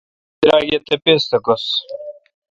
بدرآگ اے° تپیس تھہ گؙس۔